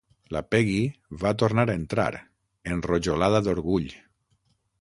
La Peggy va tornar a entrar, enrojolada d'orgull.